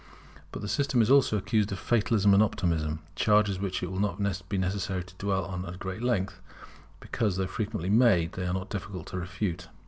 But the system is also accused of Fatalism and of Optimism; charges on which it will not be necessary to dwell at great length, because, though frequently made, they are not difficult to refute.